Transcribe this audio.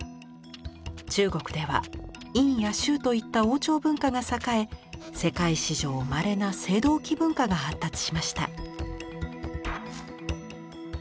中国では殷や周といった王朝文化が栄え世界史上まれな青銅器文化が発達しました。